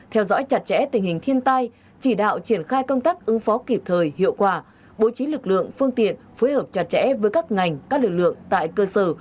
theo dõi chặt chẽ tình hình thiên tai chỉ đạo triển khai công tác ứng phó kịp thời hiệu quả bố trí lực lượng phương tiện phối hợp chặt chẽ với các ngành các lực lượng tại cơ sở